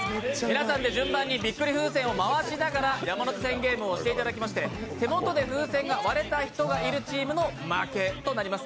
皆さんで順番にびっくり風船を回しながら山手線ゲームをしていただきまして、手元で風船が割れた人がいるチームの負けとなります。